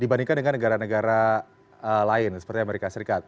dibandingkan dengan negara negara lain seperti amerika serikat